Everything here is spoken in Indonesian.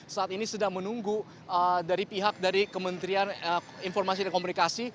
saat ini sedang menunggu dari pihak dari kementerian informasi dan komunikasi